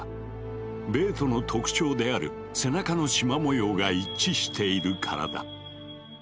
ベートの特徴である背中のしま模様が一致しているからだ。